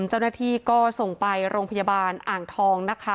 เจ้านาธีก็ส่งไปโรงพยาบาลอ่างทอง